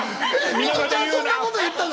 ミトちゃんそんなこと言ったの？